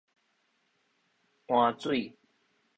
單水